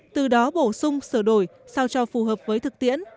từ đó bổ sung sửa đổi sao cho phù hợp với thực tiễn